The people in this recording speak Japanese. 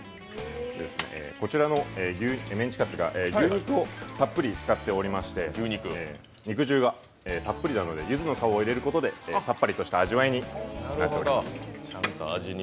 こちらのメンチカツが牛肉をたっぷり使っておりまして肉汁がたっぷりなので、ゆずの皮を入れることでさっぱりとした味わいになっております。